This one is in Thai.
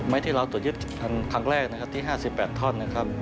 ไม้ที่เราตรวจยึดครั้งแรกที่๕๘ท่อน